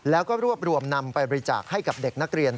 แล้วก็รวบรวมนำไปบริจาคให้กับเด็กนักเรียน